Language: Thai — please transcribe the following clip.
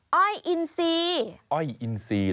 มาริเทออ้อยอินซี